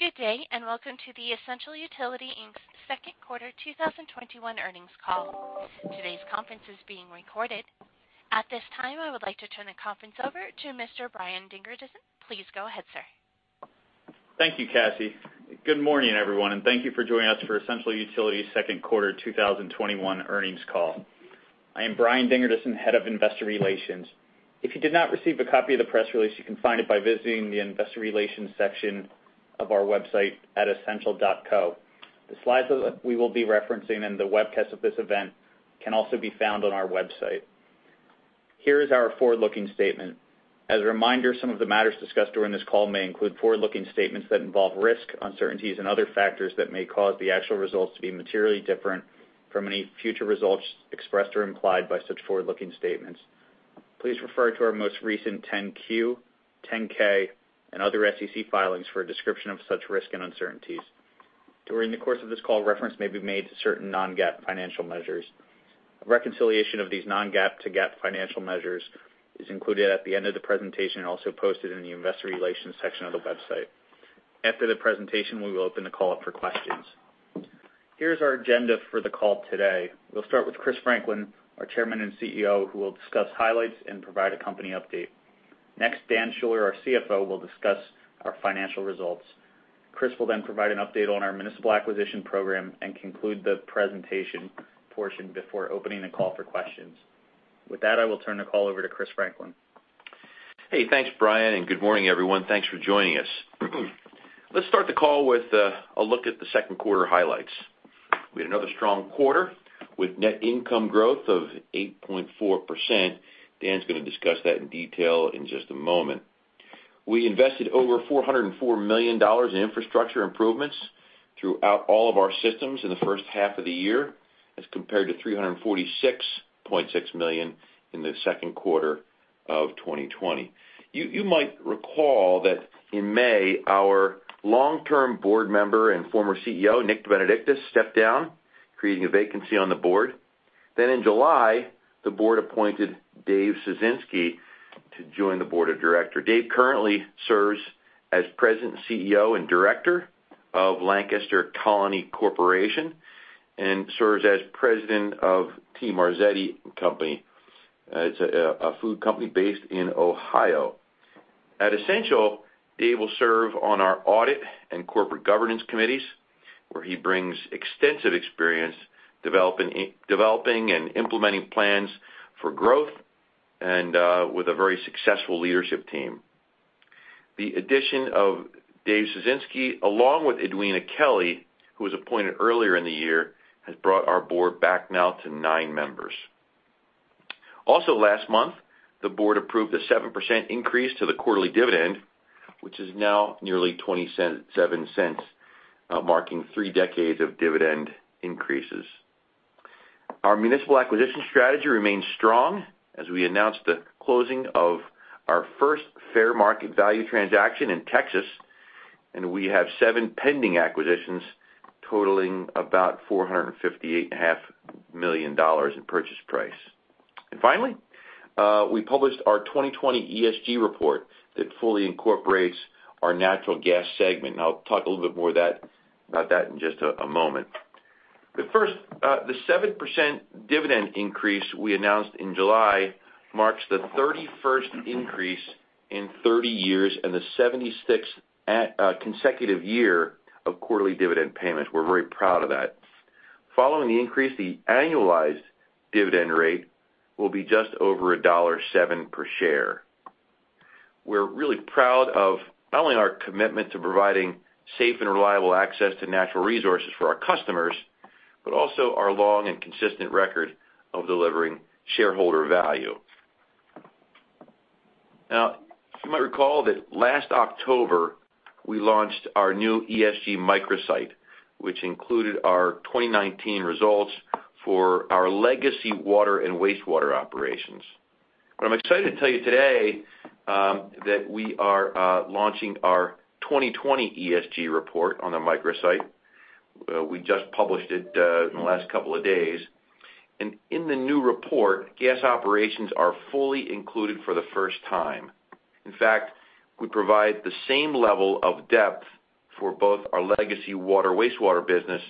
Good day, and welcome to the Essential Utilities Inc.'s second quarter 2021 earnings call. Today's conference is being recorded. At this time, I would like to turn the conference over to Mr. Brian Dingerdissen. Please go ahead, sir. Thank you, Cassie. Good morning, everyone, and thank you for joining us for Essential Utilities' second quarter 2021 earnings call. I am Brian Dingerdissen, Head of Investor Relations. If you did not receive a copy of the press release, you can find it by visiting the investor relations section of our website at essential.co. The slides that we will be referencing and the webcast of this event can also be found on our website. Here is our forward-looking statement. As a reminder, some of the matters discussed during this call may include forward-looking statements that involve risk, uncertainties, and other factors that may cause the actual results to be materially different from any future results expressed or implied by such forward-looking statements. Please refer to our most recent 10Q, 10K, and other SEC filings for a description of such risk and uncertainties. During the course of this call, reference may be made to certain non-GAAP financial measures. A reconciliation of these non-GAAP to GAAP financial measures is included at the end of the presentation and also posted in the investor relations section of the website. After the presentation, we will open the call up for questions. Here's our agenda for the call today. We'll start with Chris Franklin, our Chairman and CEO, who will discuss highlights and provide a company update. Dan Schuller, our CFO, will discuss our financial results. Chris will provide an update on our municipal acquisition program and conclude the presentation portion before opening the call for questions. With that, I will turn the call over to Chris Franklin. Hey, thanks, Brian, and good morning, everyone. Thanks for joining us. Let's start the call with a look at the second quarter highlights. We had another strong quarter with net income growth of 8.4%. Dan's going to discuss that in detail in just a moment. We invested over $404 million in infrastructure improvements throughout all of our systems in the first half of the year as compared to $346.6 million in the second quarter of 2020. You might recall that in May, our long-term board member and former CEO, Nicholas DeBenedictis, stepped down, creating a vacancy on the board. In July, the board appointed David Ciesinski to join the Board of Director. Dave currently serves as President, CEO, and Director of Lancaster Colony Corporation and serves as President of T. Marzetti Company. It's a food company based in Ohio. At Essential, Dave will serve on our audit and corporate governance committees, where he brings extensive experience developing and implementing plans for growth and with a very successful leadership team. The addition of David Ciesinski, along with Edwina Kelly, who was appointed earlier in the year, has brought our board back now to nine members. Last month, the board approved a 7% increase to the quarterly dividend, which is now nearly $0.27, marking three decades of dividend increases. Our municipal acquisition strategy remains strong as we announced the closing of our first fair market value transaction in Texas, and we have seven pending acquisitions totaling about $458.5 million in purchase price. Finally, we published our 2020 ESG report that fully incorporates our natural gas segment. I'll talk a little bit more about that in just a moment. First, the 7% dividend increase we announced in July marks the 31st increase in 30 years and the 76th consecutive year of quarterly dividend payments. We're very proud of that. Following the increase, the annualized dividend rate will be just over $1.07 per share. We're really proud of not only our commitment to providing safe and reliable access to natural resources for our customers, but also our long and consistent record of delivering shareholder value. You might recall that last October, we launched our new ESG microsite, which included our 2019 results for our legacy water and wastewater operations. I'm excited to tell you today that we are launching our 2020 ESG report on the microsite. We just published it in the last couple of days. In the new report, gas operations are fully included for the first time. In fact, we provide the same level of depth for both our legacy water/wastewater business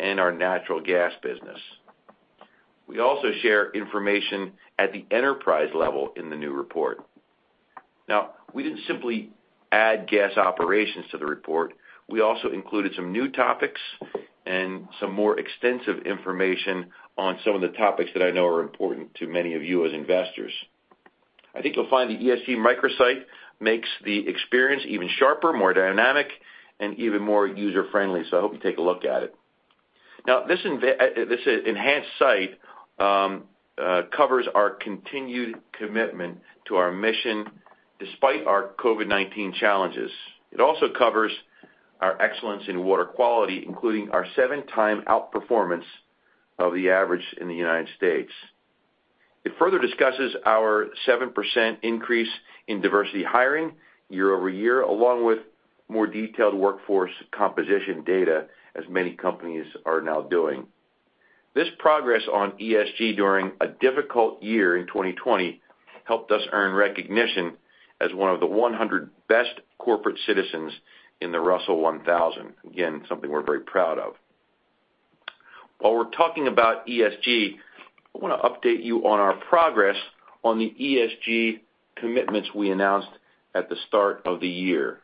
and our natural gas business. We also share information at the enterprise level in the new report. Now, we didn't simply add gas operations to the report. We also included some new topics and some more extensive information on some of the topics that I know are important to many of you as investors. I think you'll find the ESG microsite makes the experience even sharper, more dynamic, and even more user-friendly, so I hope you take a look at it. Now, this enhanced site covers our continued commitment to our mission despite our COVID-19 challenges. It also covers our excellence in water quality, including our 7-time outperformance of the average in the United States. It further discusses our 7% increase in diversity hiring year-over-year, along with more detailed workforce composition data, as many companies are now doing. This progress on ESG during a difficult year in 2020 helped us earn recognition as one of the 100 best corporate citizens in the Russell 1000. Again, something we're very proud of. While we're talking about ESG, I want to update you on our progress on the ESG commitments we announced at the start of the year.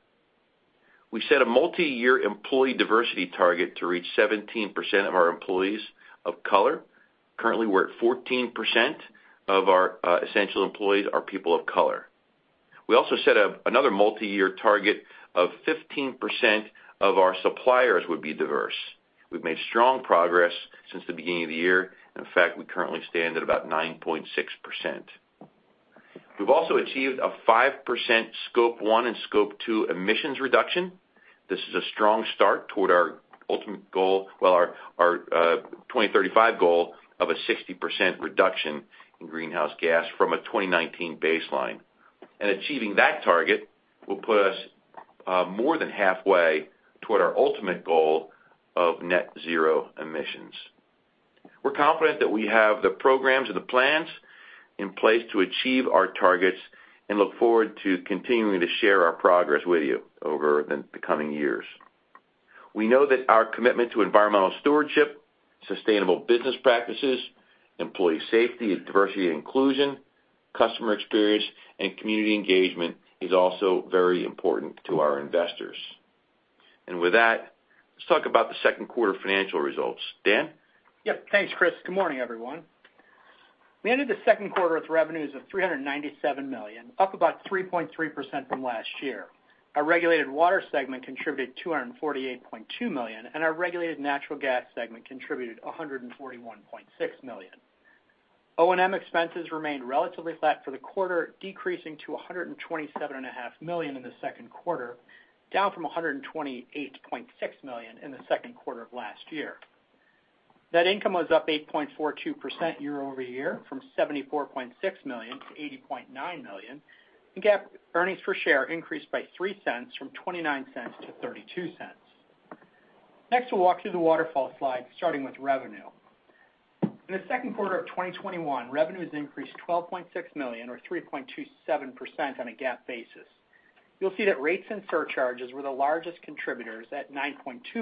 We set a multi-year employee diversity target to reach 17% of our employees of color. Currently, we're at 14% of our essential employees are people of color. We also set another multi-year target of 15% of our suppliers would be diverse. We've made strong progress since the beginning of the year. In fact, we currently stand at about 9.6%. We've also achieved a 5% Scope 1 and Scope 2 emissions reduction. This is a strong start toward our ultimate goal, well, our 2035 goal of a 60% reduction in greenhouse gas from a 2019 baseline. Achieving that target will put us more than halfway toward our ultimate goal of net zero emissions. We're confident that we have the programs and the plans in place to achieve our targets and look forward to continuing to share our progress with you over the coming years. We know that our commitment to environmental stewardship, sustainable business practices, employee safety and diversity and inclusion, customer experience, and community engagement is also very important to our investors. With that, let's talk about the second quarter financial results. Dan? Yep. Thanks, Chris. Good morning, everyone. We ended the second quarter with revenues of $397 million, up about 3.3% from last year. Our regulated water segment contributed $248.2 million, and our regulated natural gas segment contributed $141.6 million. O&M expenses remained relatively flat for the quarter, decreasing to $127.5 million in the second quarter, down from $128.6 million in the second quarter of last year. Net income was up 8.42% year-over-year from $74.6 million to $80.9 million, GAAP earnings per share increased by $0.03 from $0.29 to $0.32. Next, we'll walk through the waterfall slide, starting with revenue. In the second quarter of 2021, revenues increased $12.6 million, or 3.27% on a GAAP basis. You'll see that rates and surcharges were the largest contributors at $9.2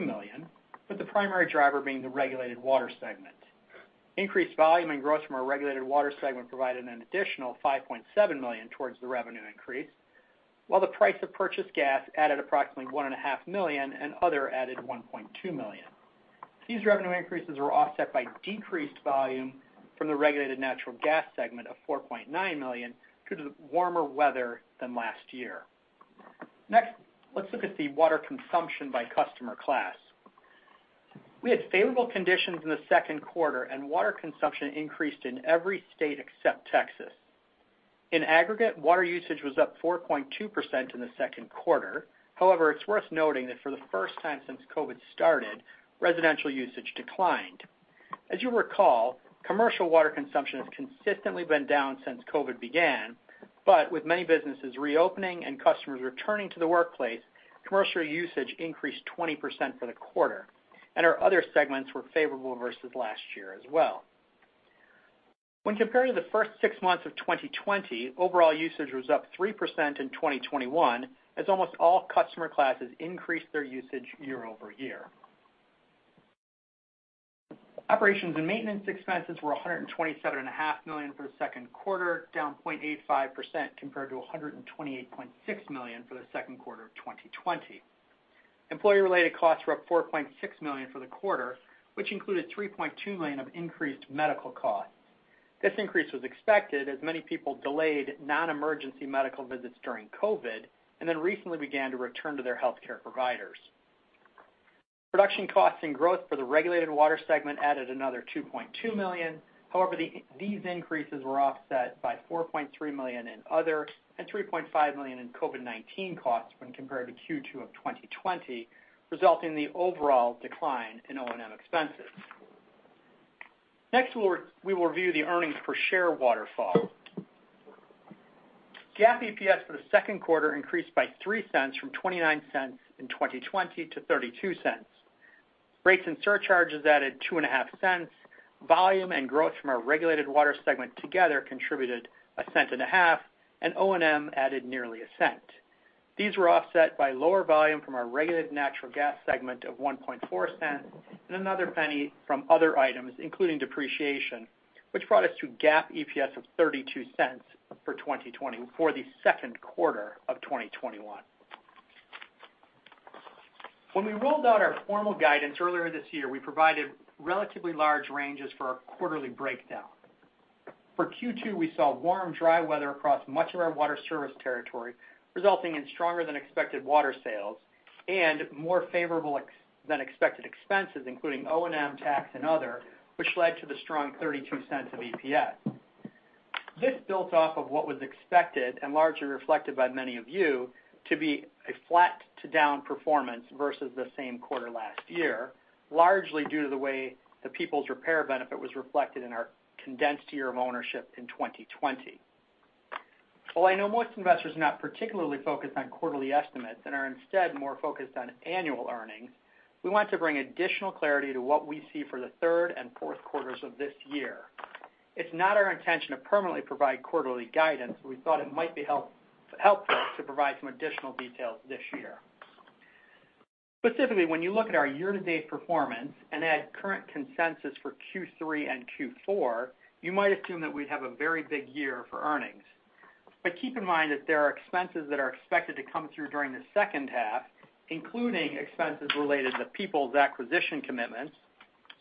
million, with the primary driver being the regulated water segment. Increased volume and growth from our regulated water segment provided an additional $5.7 million towards the revenue increase, while the price of purchased gas added approximately $1.5 Million and other added $1.2 million. These revenue increases were offset by decreased volume from the regulated natural gas segment of $4.9 million due to the warmer weather than last year. Let's look at the water consumption by customer class. We had favorable conditions in the second quarter, and water consumption increased in every state except Texas. In aggregate, water usage was up 4.2% in the second quarter. However, it's worth noting that for the first time since COVID started, residential usage declined. As you recall, commercial water consumption has consistently been down since COVID-19 began, but with many businesses reopening and customers returning to the workplace, commercial usage increased 20% for the quarter, and our other segments were favorable versus last year as well. When comparing the first 6 months of 2020, overall usage was up 3% in 2021, as almost all customer classes increased their usage year-over-year. Operations and maintenance expenses were $127.5 million for the second quarter, down 0.85% compared to $128.6 million for the second quarter of 2020. Employee-related costs were up $4.6 million for the quarter, which included $3.2 million of increased medical costs. This increase was expected as many people delayed non-emergency medical visits during COVID-19 and then recently began to return to their healthcare providers. Production costs and growth for the regulated water segment added another $2.2 million. However, these increases were offset by $4.3 million in other and $3.5 million in COVID-19 costs when compared to Q2 2020, resulting in the overall decline in O&M expenses. Next, we will review the earnings per share waterfall. GAAP EPS for the second quarter increased by $0.03 from $0.29 in 2020 to $0.32. Rates and surcharges added $0.025. Volume and growth from our regulated water segment together contributed $0.015, and O&M added nearly $0.01. These were offset by lower volume from our regulated natural gas segment of $0.014 and another $0.01 from other items, including depreciation, which brought us to GAAP EPS of $0.32 for the second quarter of 2021. When we rolled out our formal guidance earlier this year, we provided relatively large ranges for our quarterly breakdown. For Q2, we saw warm, dry weather across much of our water service territory, resulting in stronger than expected water sales and more favorable than expected expenses, including O&M, tax, and other, which led to the strong $0.32 of EPS. This built off of what was expected and largely reflected by many of you to be a flat to down performance versus the same quarter last year, largely due to the way the Peoples repair benefit was reflected in our condensed year of ownership in 2020. I know most investors are not particularly focused on quarterly estimates and are instead more focused on annual earnings. We want to bring additional clarity to what we see for the third and fourth quarters of this year. It's not our intention to permanently provide quarterly guidance, but we thought it might be helpful to provide some additional details this year. Specifically, when you look at our year-to-date performance and add current consensus for Q3 and Q4, you might assume that we'd have a very big year for earnings. Keep in mind that there are expenses that are expected to come through during the second half, including expenses related to Peoples acquisition commitments,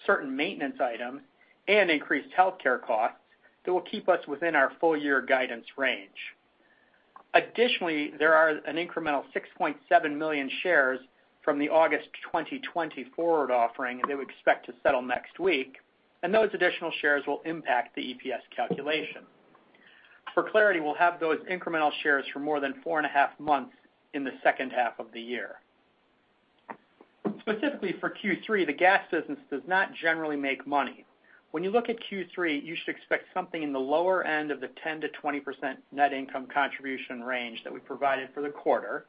certain maintenance items, and increased healthcare costs that will keep us within our full year guidance range. There are an incremental 6.7 million shares from the August 2020 forward offering that we expect to settle next week, and those additional shares will impact the EPS calculation. For clarity, we'll have those incremental shares for more than 4.5 Months in the second half of the year. Specifically for Q3, the gas business does not generally make money. When you look at Q3, you should expect something in the lower end of the 10%-20% net income contribution range that we provided for the quarter.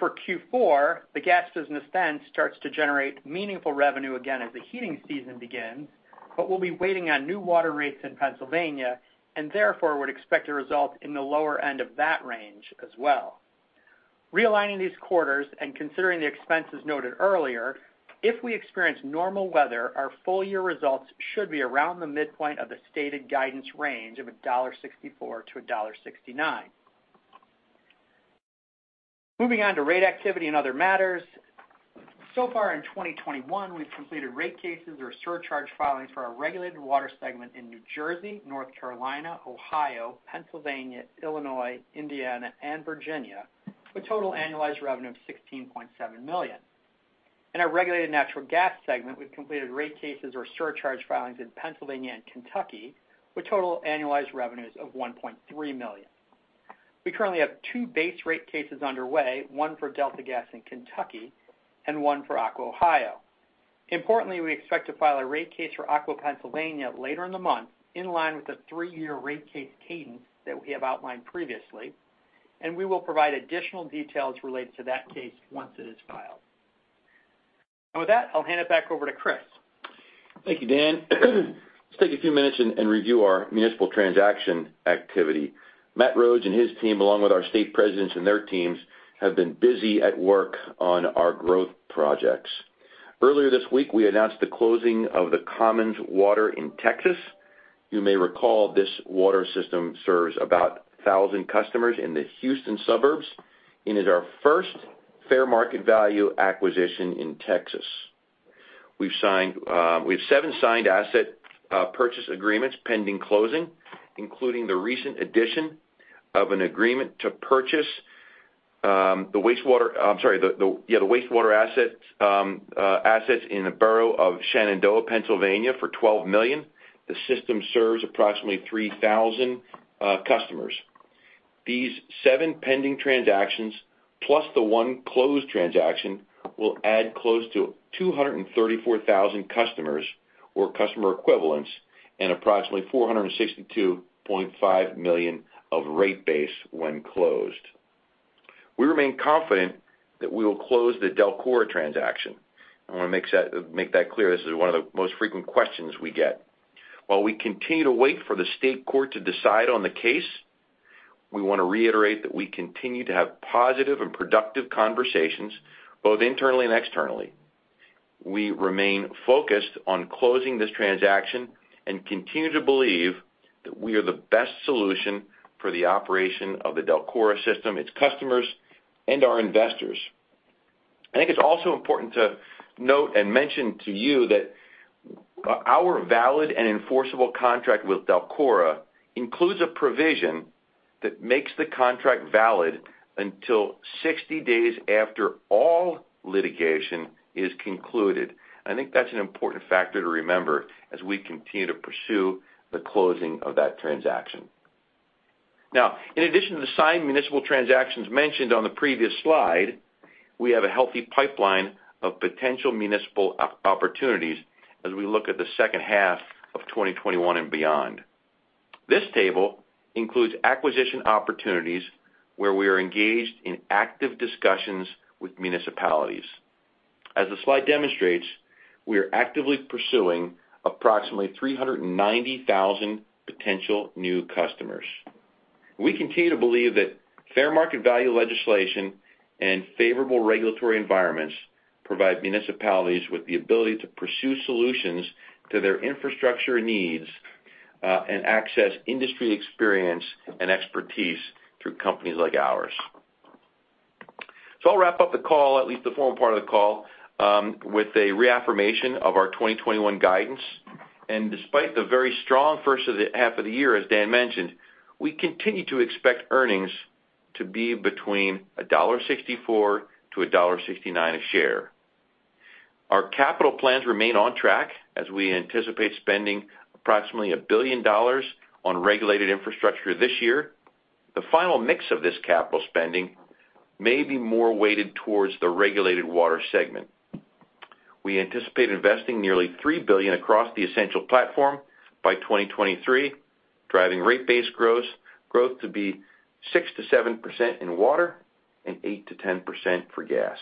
For Q4, the gas business then starts to generate meaningful revenue again as the heating season begins, but we'll be waiting on new water rates in Pennsylvania and therefore would expect a result in the lower end of that range as well. Realigning these quarters and considering the expenses noted earlier, if we experience normal weather, our full-year results should be around the midpoint of the stated guidance range of $1.64-$1.69. Moving on to rate activity and other matters. Far in 2021, we've completed rate cases or surcharge filings for our regulated water segment in New Jersey, North Carolina, Ohio, Pennsylvania, Illinois, Indiana, and Virginia, with total annualized revenue of $16.7 million. In our regulated natural gas segment, we've completed rate cases or surcharge filings in Pennsylvania and Kentucky with total annualized revenues of $1.3 million. We currently have two base rate cases underway, one for Delta Gas in Kentucky and one for Aqua Ohio. Importantly, we expect to file a rate case for Aqua Pennsylvania later in the month, in line with the three-year rate case cadence that we have outlined previously. We will provide additional details related to that case once it is filed. With that, I'll hand it back over to Chris. Thank you, Dan. Let's take a few minutes and review our municipal transaction activity. Matt Rhodes and his team, along with our state presidents and their teams, have been busy at work on our growth projects. Earlier this week, we announced the closing of The Commons Water in Texas. You may recall this water system serves about 1,000 customers in the Houston suburbs and is our first fair market value acquisition in Texas. We have seven signed asset purchase agreements pending closing, including the recent addition of an agreement to purchase the wastewater assets in the borough of Shenandoah, Pennsylvania for $12 million. The system serves approximately 3,000 customers. These seven pending transactions, plus the one closed transaction, will add close to 234,000 customers or customer equivalents and approximately $462.5 million of rate base when closed. We remain confident that we will close the DELCORA transaction. I want to make that clear, this is one of the most frequent questions we get. While we continue to wait for the state court to decide on the case, we want to reiterate that we continue to have positive and productive conversations, both internally and externally. We remain focused on closing this transaction and continue to believe that we are the best solution for the operation of the DELCORA system, its customers, and our investors. I think it's also important to note and mention to you that our valid and enforceable contract with DELCORA includes a provision that makes the contract valid until 60 days after all litigation is concluded. I think that's an important factor to remember as we continue to pursue the closing of that transaction. In addition to the signed municipal transactions mentioned on the previous slide, we have a healthy pipeline of potential municipal opportunities as we look at the second half of 2021 and beyond. This table includes acquisition opportunities where we are engaged in active discussions with municipalities. As the slide demonstrates, we are actively pursuing approximately 390,000 potential new customers. We continue to believe that fair market value legislation and favorable regulatory environments provide municipalities with the ability to pursue solutions to their infrastructure needs, and access industry experience and expertise through companies like ours. I'll wrap up the call, at least the formal part of the call, with a reaffirmation of our 2021 guidance. Despite the very strong first of the half of the year, as Dan mentioned, we continue to expect earnings to be between $1.64 and $1.69 a share. Our capital plans remain on track as we anticipate spending approximately $1 billion on regulated infrastructure this year. The final mix of this capital spending may be more weighted towards the regulated water segment. We anticipate investing nearly $3 billion across the Essential platform by 2023, driving rate base growth to be 6%-7% in water and 8%-10% for gas.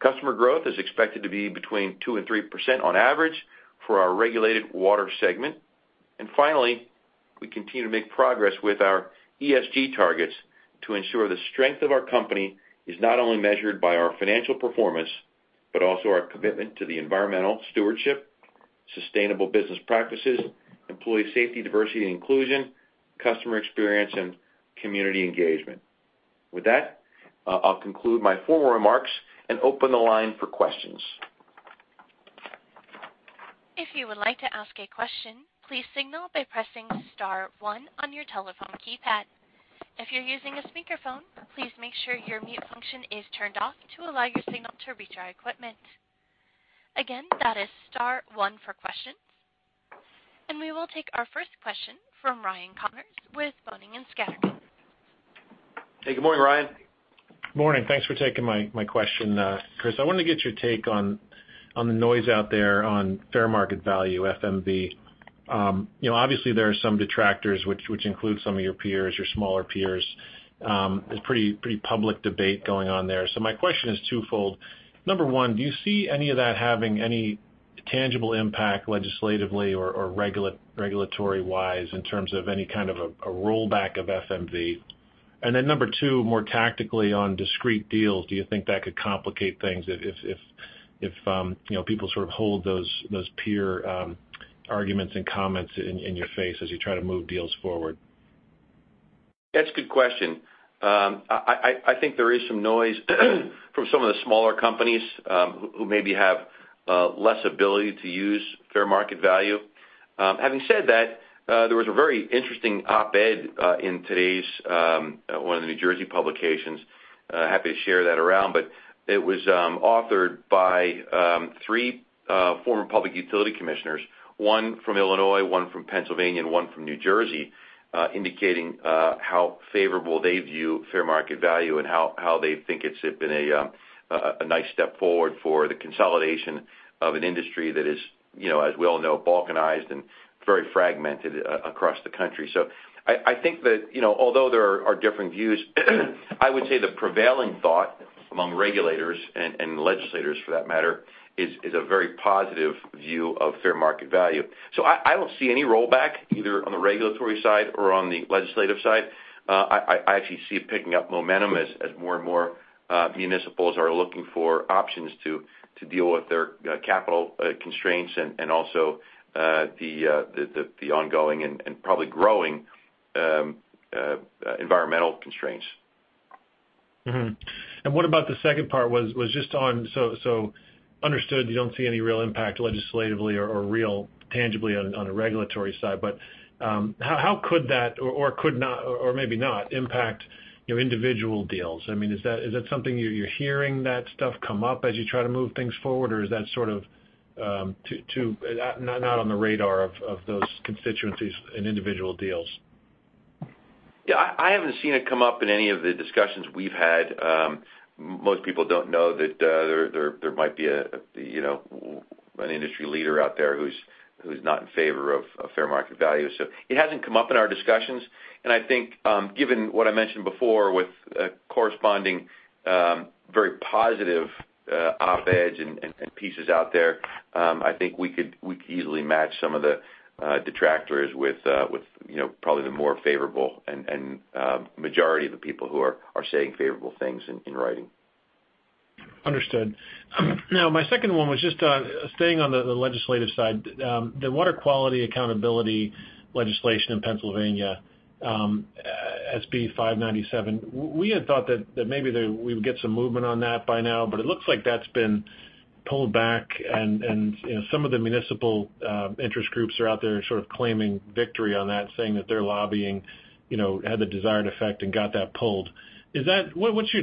Customer growth is expected to be between 2% and 3% on average for our regulated water segment. Finally, we continue to make progress with our ESG targets to ensure the strength of our company is not only measured by our financial performance, but also our commitment to the environmental stewardship, sustainable business practices, employee safety, diversity and inclusion, customer experience, and community engagement. With that, I'll conclude my formal remarks and open the line for questions. If you would like to ask a question, please signal by pressing star one on your telephone keypad. If you're using a speakerphone, please make sure your mute function is turned off to allow your signal to reach our equipment. Again, that is star one for questions. We will take our first question from Ryan Connors with Boenning & Scattergood. Hey, good morning, Ryan. Morning. Thanks for taking my question, Chris. I wanted to get your take on the noise out there on fair market value, FMV. Obviously, there are some detractors, which includes some of your peers, your smaller peers. There's pretty public debate going on there. My question is twofold. Number one, do you see any of that having any tangible impact legislatively or regulatory-wise in terms of any kind of a rollback of FMV? Number two, more tactically on discrete deals, do you think that could complicate things if people sort of hold those peer arguments and comments in your face as you try to move deals forward? That's a good question. I think there is some noise from some of the smaller companies who maybe have less ability to use fair market value. Having said that, there was a very interesting op-ed in one of the New Jersey publications. Happy to share that around, but it was authored by three former Public Utility Commissioners, one from Illinois, one from Pennsylvania, and one from New Jersey, indicating how favorable they view fair market value and how they think it's been a nice step forward for the consolidation of an industry that is, as we all know, balkanized and very fragmented across the country. I think that although there are different views, I would say the prevailing thought among regulators, and legislators for that matter, is a very positive view of fair market value. I don't see any rollback, either on the regulatory side or on the legislative side. I actually see it picking up momentum as more and more municipals are looking for options to deal with their capital constraints and also the ongoing and probably growing environmental constraints. Mm-hmm. What about the second part? Understood you don't see any real impact legislatively or real tangibly on a regulatory side. How could that, or could not, or maybe not impact individual deals? I mean, is that something you're hearing that stuff come up as you try to move things forward, or is that sort of not on the radar of those constituencies in individual deals? Yeah, I haven't seen it come up in any of the discussions we've had. Most people don't know that there might be an industry leader out there who's not in favor of fair market value. It hasn't come up in our discussions, and I think given what I mentioned before with corresponding very positive op-eds and pieces out there, I think we could easily match some of the detractors with probably the more favorable and majority of the people who are saying favorable things in writing. My second one was just on staying on the legislative side. The Water Quality Accountability legislation in Pennsylvania, SB597. We had thought that maybe we would get some movement on that by now, but it looks like that's been pulled back, and some of the municipal interest groups are out there sort of claiming victory on that, saying that their lobbying had the desired effect and got that pulled. What's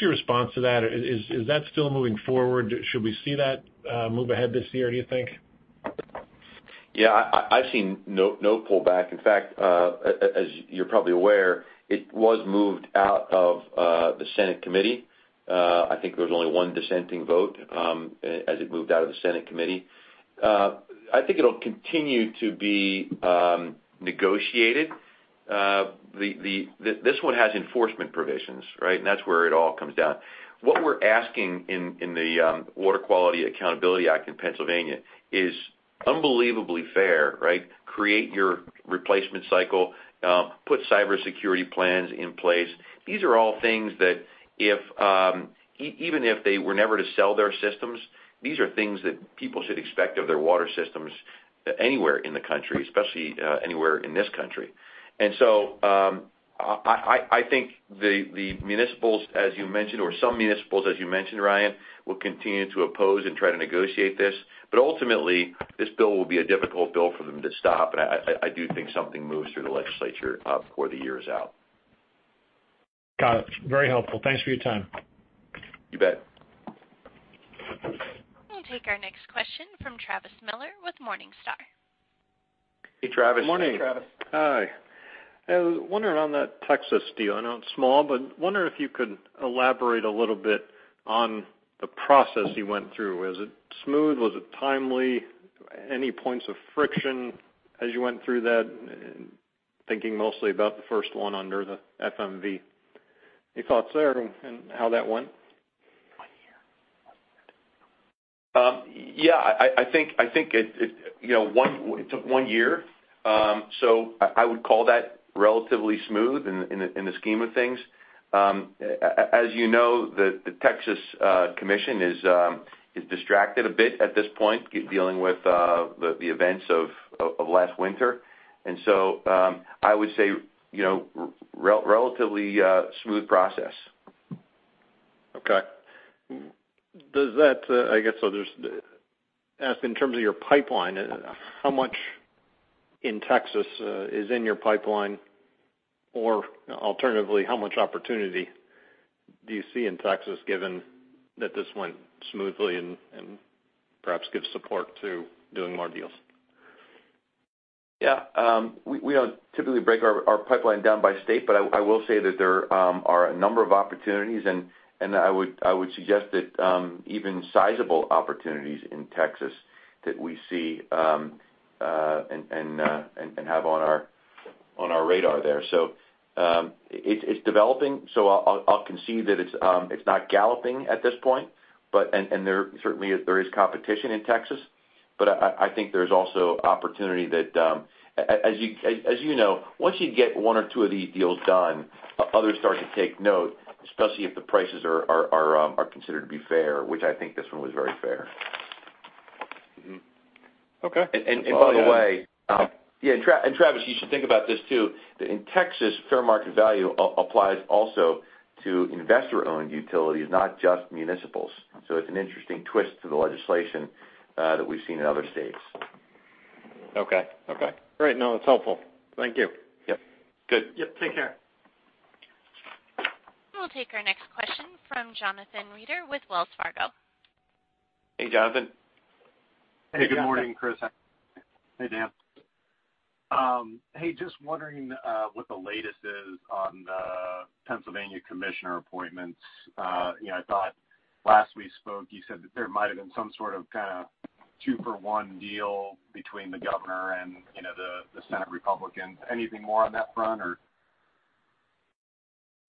your response to that? Is that still moving forward? Should we see that move ahead this year, do you think? Yeah, I've seen no pullback. In fact, as you're probably aware, it was moved out of the Senate Committee. I think there was only one dissenting vote as it moved out of the Senate Committee. I think it'll continue to be negotiated. This one has enforcement provisions, right? That's where it all comes down. What we're asking in the Water Quality Accountability Act in Pennsylvania is unbelievably fair, right? Create your replacement cycle, put cybersecurity plans in place. These are all things that even if they were never to sell their systems, these are things that people should expect of their water systems anywhere in the country, especially anywhere in this country. I think the municipals, as you mentioned, or some municipals, as you mentioned, Ryan, will continue to oppose and try to negotiate this. Ultimately, this bill will be a difficult bill for them to stop, and I do think something moves through the legislature before the year is out. Got it. Very helpful. Thanks for your time. You bet. We'll take our next question from Travis Miller with Morningstar. Hey, Travis. Morning. Travis. Hi. I was wondering on that Texas deal, I know it's small, but wonder if you could elaborate a little bit on the process you went through. Was it smooth? Was it timely? Any points of friction as you went through that? Thinking mostly about the first one under the FMV. Any thoughts there and how that went? Yeah. I think, it took one year. I would call that relatively smooth in the scheme of things. As you know, the Texas Commission is distracted a bit at this point, dealing with the events of last winter. I would say, relatively smooth process. Okay. Does that I guess I'll just ask in terms of your pipeline, how much in Texas is in your pipeline? Alternatively, how much opportunity do you see in Texas given that this went smoothly and perhaps gives support to doing more deals? Yeah. We don't typically break our pipeline down by state, but I will say that there are a number of opportunities, and I would suggest that even sizable opportunities in Texas that we see and have on our radar there. It's developing. I'll concede that it's not galloping at this point, and there certainly is competition in Texas. I think there's also opportunity that, as you know, once you get one or two of these deals done, others start to take note, especially if the prices are considered to be fair, which I think this one was very fair. Mm-hmm. Okay. by the way. Follow that up. Yeah, Travis, you should think about this too, that in Texas, fair market value applies also to investor-owned utilities, not just municipals. It's an interesting twist to the legislation that we've seen in other states. Okay. Great. No, that's helpful. Thank you. Yep. Good. Yep. Take care. We'll take our next question from Jonathan Reeder with Wells Fargo. Hey, Jonathan. Hey, good morning, Chris. Hey, Dan. Hey, just wondering what the latest is on the Pennsylvania commissioner appointments. I thought last we spoke, you said that there might've been some sort of two-for-one deal between the governor and the Senate Republicans. Anything more on that front, or?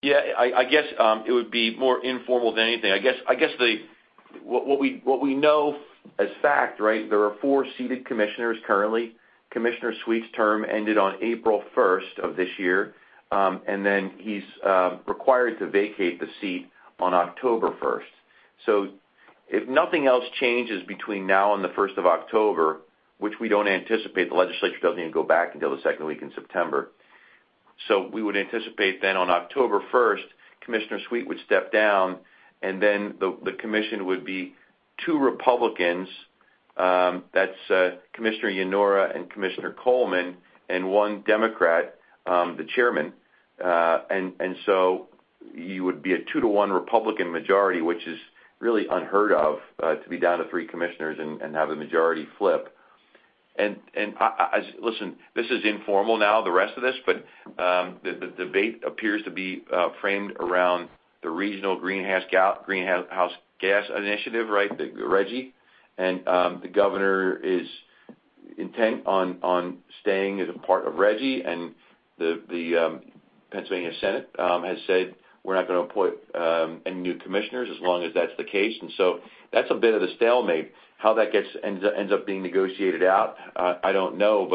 Yeah, I guess, it would be more informal than anything. I guess, what we know as fact, right? There are four seated commissioners currently. Commissioner Sweet's term ended on April 1st of this year. He's required to vacate the seat on October 1st. If nothing else changes between now and the 1st of October, which we don't anticipate, the legislature doesn't even go back until the 2nd week in September. We would anticipate then on October 1st, Commissioner Sweet would step down, and then the Commission would be two Republicans, that's Commissioner Yanora and Commissioner Coleman, and one Democrat, the Chairman. You would be a two-to-one Republican majority, which is really unheard of, to be down to three commissioners and have the majority flip. Listen, this is informal now, the rest of this, the debate appears to be framed around the Regional Greenhouse Gas Initiative, right? The RGGI. The governor is intent on staying as a part of RGGI, and the Pennsylvania Senate has said, "We're not going to appoint any new commissioners as long as that's the case." That's a bit of a stalemate. How that ends up being negotiated out, I don't know.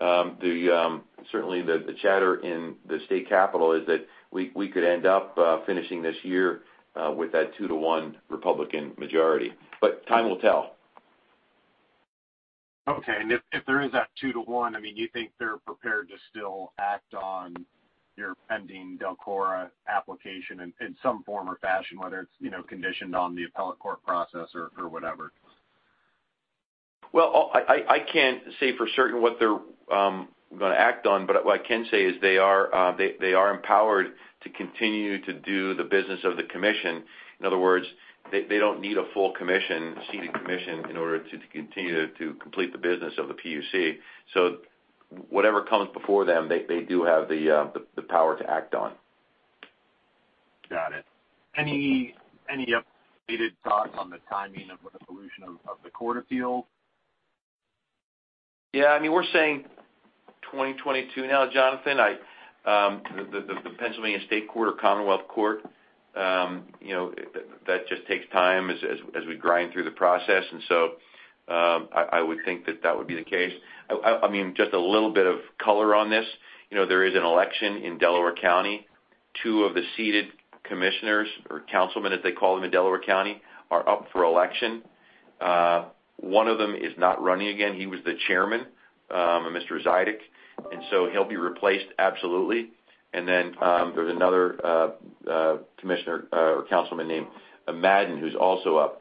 Certainly, the chatter in the state capital is that we could end up finishing this year with that two-to-one Republican majority. Time will tell. Okay. If there is that two to one, you think they're prepared to still act on your pending DELCORA application in some form or fashion, whether it's conditioned on the appellate court process or whatever? Well, I can't say for certain what they're going to act on, but what I can say is they are empowered to continue to do the business of the commission. In other words, they don't need a full commission, seated commission, in order to continue to complete the business of the PUC. Whatever comes before them, they do have the power to act on. Got it. Any updated thoughts on the timing of the resolution of the DELCORA deal? Yeah, we're saying 2022 now, Jonathan. The Pennsylvania State Court or Commonwealth Court, that just takes time as we grind through the process. I would think that would be the case. Just a little bit of color on this. There is an election in Delaware County. Two of the seated commissioners or councilmen, as they call them in Delaware County, are up for election. One of them is not running again. He was the Chairman, a Mr. Zidek. He'll be replaced absolutely. There's another commissioner or councilman named Madden, who's also up.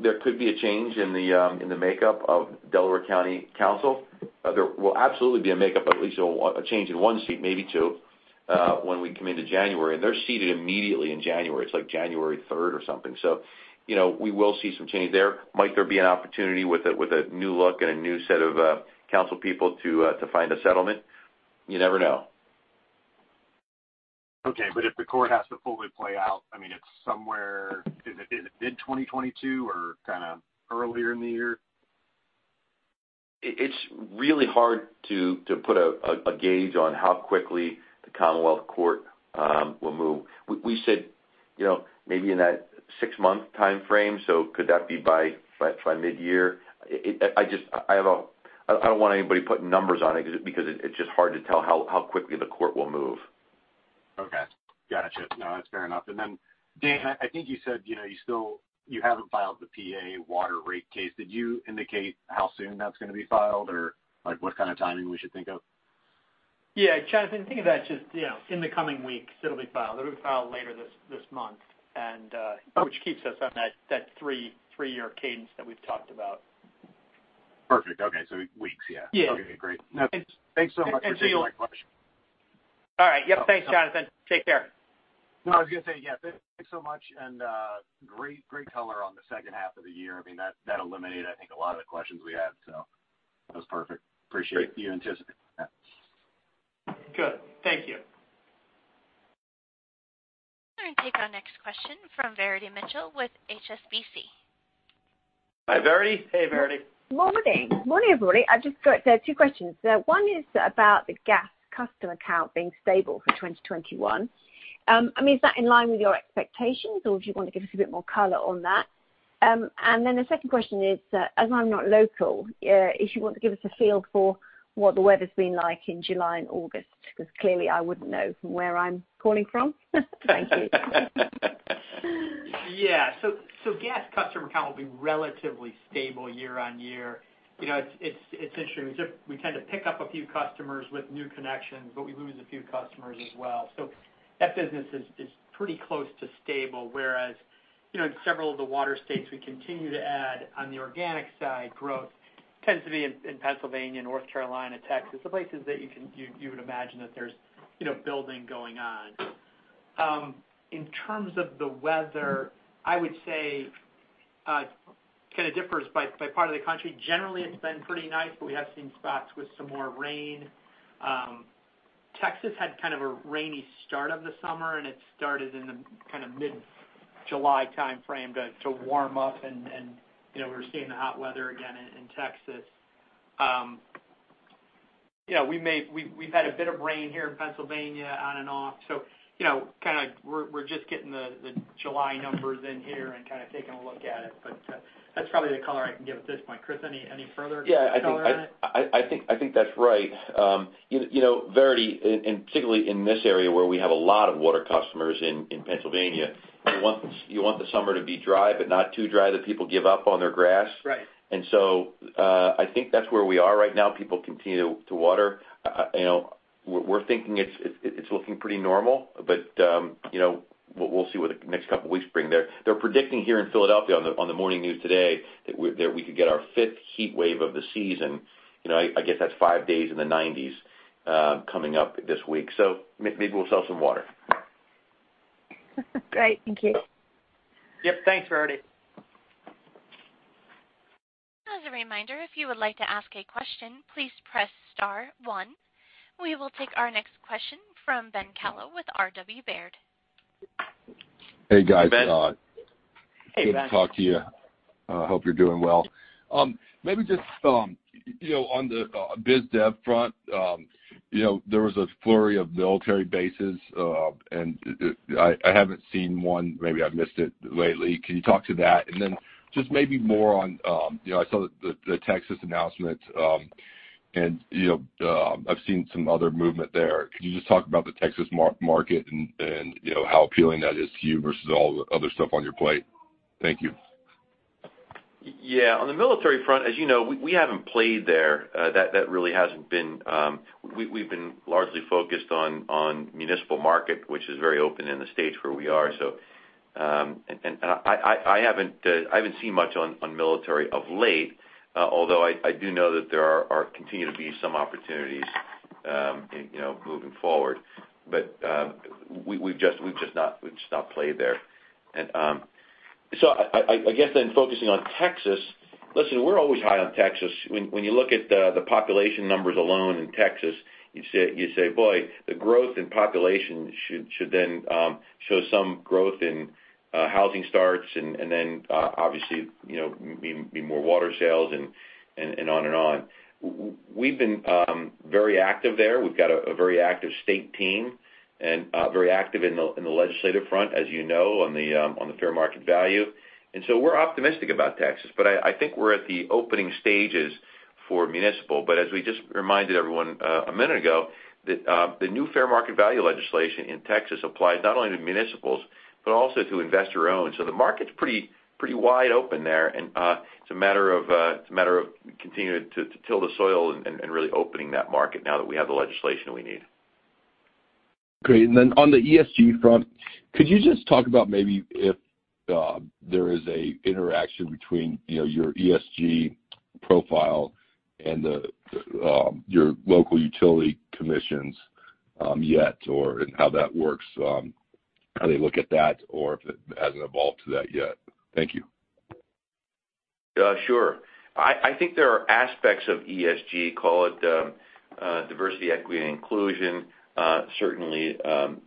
There could be a change in the makeup of Delaware County Council. There will absolutely be a makeup, at least a change in one seat, maybe two. When we come into January, they're seated immediately in January. It's like January 3rd or something. We will see some change there. Might there be an opportunity with a new look and a new set of council people to find a settlement? You never know. Okay. If the court has to fully play out, it's somewhere, is it mid-2022 or kind of earlier in the year? It's really hard to put a gauge on how quickly the Commonwealth Court will move. We said maybe in that six-month timeframe, could that be by mid-year? I don't want anybody putting numbers on it, because it's just hard to tell how quickly the court will move. Okay. Gotcha. No, that's fair enough. Dan, I think you said you haven't filed the PA water rate case. Did you indicate how soon that's going to be filed? What kind of timing we should think of? Yeah, Jonathan, think of that just in the coming weeks, it'll be filed. It'll be filed later this month. Okay. Which keeps us on that three-year cadence that we've talked about. Perfect. Okay. Weeks, yeah. Thanks so much for taking my question. All right. Yep. Thanks, Jonathan. Take care. I was going to say, yeah, thanks so much, and great color on the second half of the year. That eliminated, I think, a lot of the questions we had. That was perfect. Appreciate you anticipating that. Good. Thank you. I'm going to take our next question from Verity Mitchell with HSBC. Hi, Verity. Hey, Verity. Morning. Morning, everybody. I've just got two questions. One is about the gas customer count being stable for 2021. Is that in line with your expectations, or do you want to give us a bit more color on that? The second question is, as I'm not local, if you want to give us a feel for what the weather's been like in July and August, because clearly I wouldn't know from where I'm calling from. Thank you. Yeah. Gas customer count will be relatively stable year-over-year. It's interesting, we tend to pick up a few customers with new connections, but we lose a few customers as well. That business is pretty close to stable, whereas, in several of the water states, we continue to add, on the organic side, growth tends to be in Pennsylvania, North Carolina, Texas, the places that you would imagine that there's building going on. In terms of the weather, I would say it kind of differs by part of the country. Generally, it's been pretty nice, but we have seen spots with some more rain. Texas had kind of a rainy start of the summer, and it started in the mid-July timeframe to warm up, and we're seeing the hot weather again in Texas. We've had a bit of rain here in Pennsylvania, on and off. We're just getting the July numbers in here and kind of taking a look at it. That's probably the color I can give at this point. Chris, any further color on it? I think that's right, Verity. Particularly in this area where we have a lot of water customers in Pennsylvania, you want the summer to be dry, but not too dry that people give up on their grass. Right. I think that's where we are right now. People continue to water. We're thinking it's looking pretty normal, but we'll see what the next couple of weeks bring. They're predicting here in Philadelphia on the morning news today that we could get our fifth heat wave of the season. I guess that's five days in the 90s coming up this week. Maybe we'll sell some water. Great. Thank you. Yep. Thanks, Verity. As a reminder, if you would like to ask a question, please press star one. We will take our next question from Ben Kallo with RW Baird. Hey, guys. Ben. Hey, Ben. Good to talk to you. Hope you're doing well. Maybe just on the biz dev front, there was a flurry of military bases, and I haven't seen one, maybe I've missed it lately. Can you talk to that? Just maybe more on, I saw the Texas announcement, and I've seen some other movement there. Could you just talk about the Texas market and how appealing that is to you versus all the other stuff on your plate? Thank you. Yeah. On the military front, as you know, we haven't played there. We've been largely focused on municipal market, which is very open in the states where we are. I haven't seen much on military of late, although I do know that there continue to be some opportunities moving forward. We've just not played there. I guess then focusing on Texas, listen, we're always high on Texas. When you look at the population numbers alone in Texas, you'd say, "Boy, the growth in population should then show some growth in housing starts and then obviously be more water sales and on and on." We've been very active there. We've got a very active state team and very active in the legislative front, as you know, on the fair market value. We're optimistic about Texas, but I think we're at the opening stages for municipal. As we just reminded everyone a minute ago, the new fair market value legislation in Texas applies not only to municipals, but also to investor owned. The market's pretty wide open there, and it's a matter of continuing to till the soil and really opening that market now that we have the legislation we need. Great. Then on the ESG front, could you just talk about maybe if there is a interaction between your ESG profile and your local utility commissions yet, or how that works, how they look at that, or if it hasn't evolved to that yet. Thank you. Sure. I think there are aspects of ESG, call it diversity, equity, and inclusion, certainly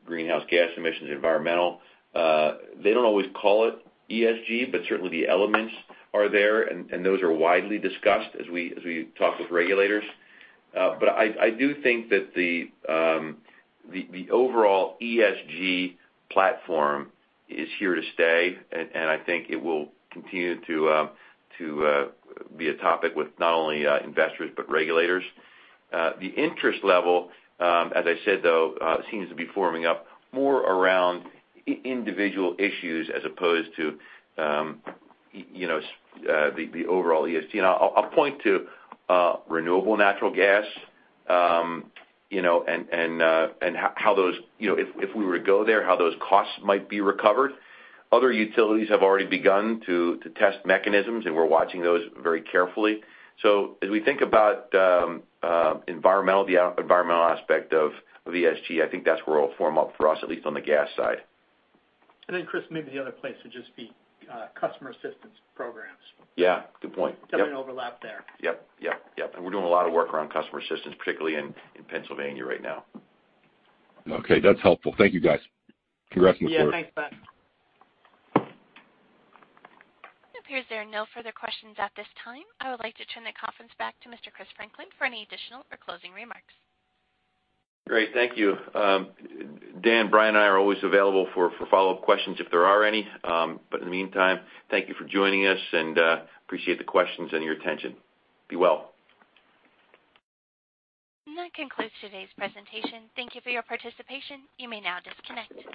greenhouse gas emissions, environmental. They don't always call it ESG, but certainly the elements are there, and those are widely discussed as we talk with regulators. I do think that the overall ESG platform is here to stay, and I think it will continue to be a topic with not only investors but regulators. The interest level, as I said, though, seems to be forming up more around individual issues as opposed to the overall ESG. I'll point to renewable natural gas, and if we were to go there, how those costs might be recovered. Other utilities have already begun to test mechanisms, and we're watching those very carefully. As we think about the environmental aspect of ESG, I think that's where it'll form up for us, at least on the gas side. Chris, maybe the other place would just be customer assistance programs. Yeah. Good point. Definitely an overlap there. Yep. We're doing a lot of work around customer assistance, particularly in Pennsylvania right now. Okay. That's helpful. Thank you, guys. Congrats, once more. Yeah. Thanks, Ben. It appears there are no further questions at this time. I would like to turn the conference back to Mr. Chris Franklin for any additional or closing remarks. Great. Thank you. Dan, Brian, and I are always available for follow-up questions if there are any. In the meantime, thank you for joining us, and appreciate the questions and your attention. Be well. That concludes today's presentation. Thank you for your participation. You may now disconnect.